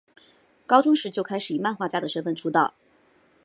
高中时就开始以漫画家的身份出道。